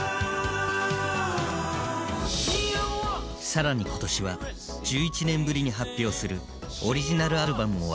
更に今年は１１年ぶりに発表するオリジナルアルバムも話題に。